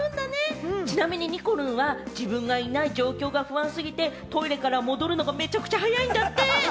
ちなみに、にこるんは自分がいない状況が不安すぎてトイレから戻るのがめちゃくちゃ早いんだって。